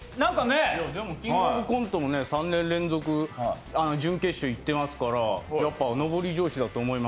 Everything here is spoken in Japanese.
「キングオブコント」も３年連続準決勝いってますからやっぱ上り調子だと思います。